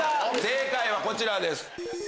正解はこちらです。